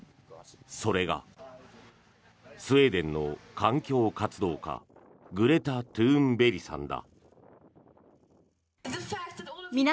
それがスウェーデンの環境活動家グレタ・トゥーンベリさんだ。